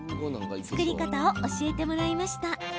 作り方を教えてもらいました。